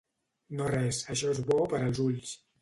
No res, això és bo per als ulls.